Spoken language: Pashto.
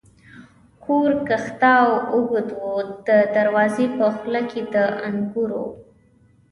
کور کښته او اوږد و، د دروازې په خوله کې د انګورو.